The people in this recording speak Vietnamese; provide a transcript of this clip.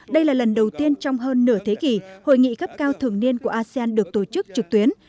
đây là lần đầu tiên trong hơn nửa thế kỷ hội nghị cấp cao thường niên của asean được tổ chức trực tuyến